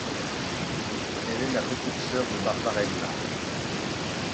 Elle est la petite sœur de Barbarella.